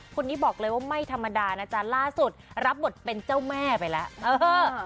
คนนี้บอกเลยว่าไม่ธรรมดานะจ๊ะล่าสุดรับบทเป็นเจ้าแม่ไปแล้วเออ